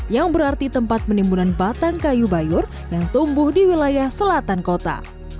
yang berarti tempat penimbunan batang kayu bayur yang tumbuh di wilayah selatan kota